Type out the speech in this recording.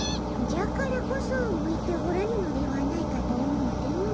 じゃからこそ向いておらぬのではないかと思うての。